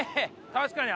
確かに。